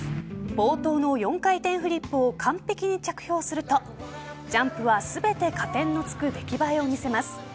冒頭の４回転フリップを完璧に着氷するとジャンプは全て加点のつく出来栄えを見せます。